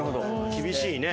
厳しいね。